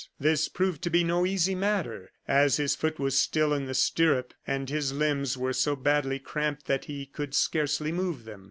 This proved to be no easy matter, as his foot was still in the stirrup, and his limbs were so badly cramped that he could scarcely move them.